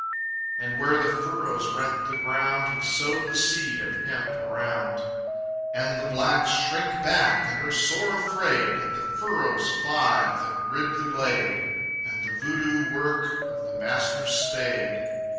And where the furrows rent the ground, He sowed the seed of hemp around. And the blacks shrink back and are sore afraid At the furrows five that rib the glade, And the voodoo work of the master's spade.